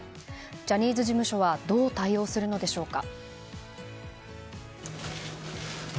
ジャニーズ事務所はどう対応するのでしょうか。